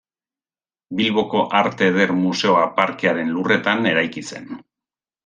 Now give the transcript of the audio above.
Bilboko Arte Eder Museoa parkearen lurretan eraiki zen.